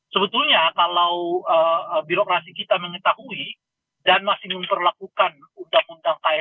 sebetulnya kalau birokrasi kita mengetahui dan masih memperlakukan undang undang tni